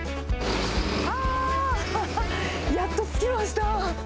あー、やっと着きました。